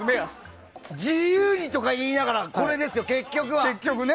自由にとか言いながらこれですよ、結局は。